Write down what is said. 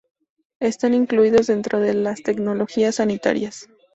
Están incluidos dentro de las tecnologías sanitarias.